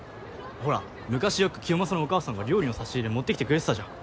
ほら昔よく清正のお母さんが料理の差し入れ持ってきてくれてたじゃん。